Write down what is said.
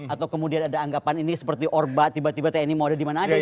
atau kemudian ada anggapan ini seperti orba tiba tiba tni mau ada dimana aja